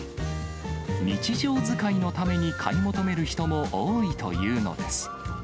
日常使いのために買い求める人も多いというのです。